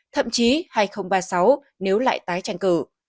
thậm chí hai nghìn ba mươi sáu nếu lại tái tranh cử